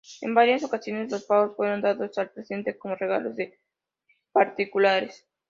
En varias ocasiones, los pavos fueron dados al Presidente como regalos de particulares.